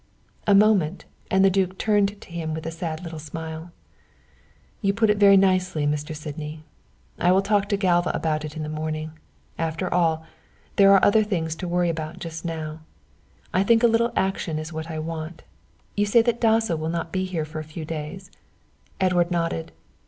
A moment, and the duke turned to him with a sad little smile. "You put it very nicely, Mr. Sydney. I'll talk to Galva about it in the morning. After all, there are other things to worry about just now. I think a little action is what I want. You say that Dasso will not be here for a few days?" Edward nodded.